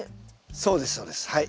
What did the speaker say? そうですそうですはい。